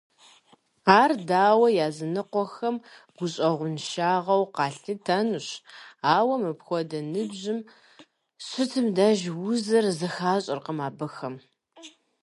Ар, дауэ, языныкъуэхэм гущӀэгъуншагъэу къалъытэнущ, ауэ мыпхуэдэ ныбжьым щитым деж узыр зыхащӀэркъым абыхэм.